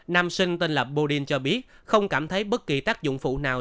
nam sinh tên là bodin cho biết không cảm thấy bất kỳ tác dụng phụ nào